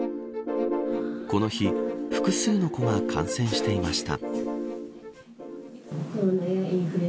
この日、複数の子が感染していました。